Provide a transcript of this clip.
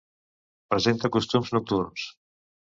Presenta costums nocturns.